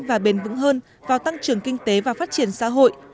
và bền vững hơn vào tăng trưởng kinh tế và phát triển xã hội